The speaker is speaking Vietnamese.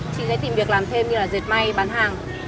chị sẽ tìm việc làm thêm như là dệt may bán hàng